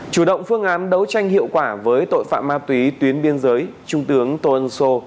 chủ động phương án đấu tranh hiệu quả với tội phạm ma túy tuyến biên giới trung tướng tô ân sô